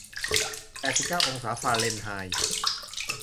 แปดสิบเก้าองศาฟาเรนไฮน์